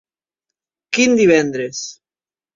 Quin divendres!